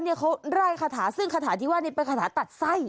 เขาไล่คาถาซึ่งคาถาที่ว่านี่เป็นคาถาตัดไส้